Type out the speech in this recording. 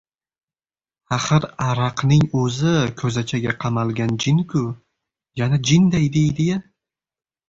Axir, araqning o‘zi ko‘zachaga qamalgan jin-ku! Yana jinday deydi-ya…